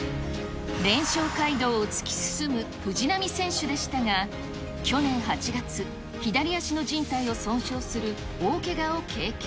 連勝街道を突き進む藤波選手でしたが、去年８月、左足のじん帯を損傷する大けがを経験。